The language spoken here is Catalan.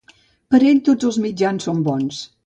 Per a ell tots els mitjans són bons.